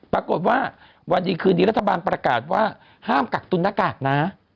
ปรากฏว่าวันดีคืนนี้รัฐบาลประกาศว่าห้ามกักตุนหน้ากากนะ